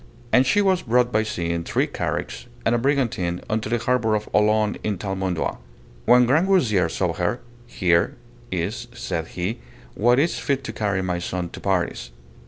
And she was brought by sea in three carricks and a brigantine unto the harbour of Olone in Thalmondois. When Grangousier saw her, Here is, said he, what is fit to carry my son to Paris.